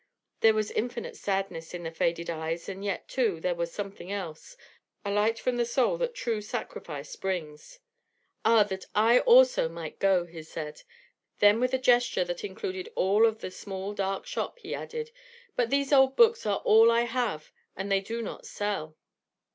There was infinite sadness in the faded eyes and yet, too, there was something else, a light from the soul that true sacrifice brings. "Ah, that I also might go," he said; then with a gesture that included all of the small dark shop, he added, "but these old books are all I have and they do not sell."